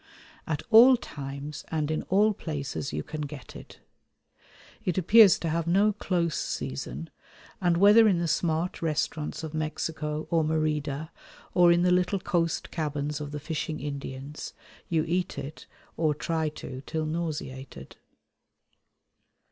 At all times and in all places you can get it. It appears to have no close season, and whether in the smart restaurants of Mexico or Merida or in the little coast cabins of the fishing Indians, you eat it, or try to till nauseated.